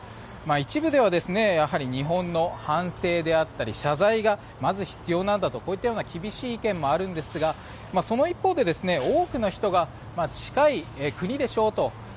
一部では日本の反省であったり謝罪がまず必要なんだとこういう厳しい意見もあるんですがその一方で、多くの人が近い国でしょうと。